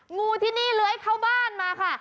งูที่นี่เลื้อยเข้าบ้านมาค่ะ